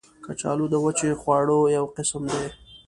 کچالو د وچې خواړو یو قسم دی